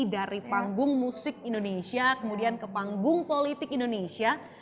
dari panggung musik indonesia kemudian ke panggung politik indonesia